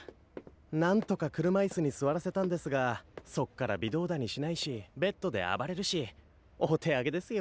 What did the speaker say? なんとか車椅子に座らせたんですがそっから微動だにしないしベッドで暴れるしお手上げですよ。